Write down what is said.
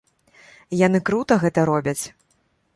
І яны крута гэта робяць.